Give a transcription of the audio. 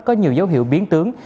có nhiều dấu hiệu biến tướng